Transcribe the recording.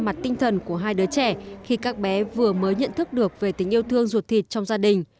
về mặt tinh thần của hai đứa trẻ khi các bé vừa mới nhận thức được về tình yêu thương ruột thịt trong gia đình